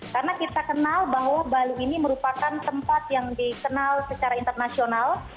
karena kita kenal bahwa bali ini merupakan tempat yang dikenal secara internasional